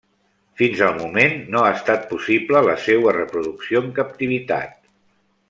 Fins al moment, no ha estat possible la seua reproducció en captivitat.